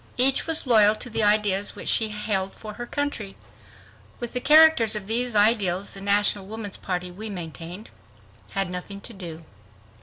Each was loyal to the ideas which she held for her country. With the character of these various ideals, the National Woman's Party, we maintained, had nothing to do.